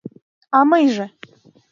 А мыйже?